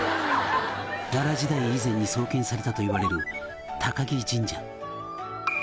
「奈良時代以前に創建されたといわれる」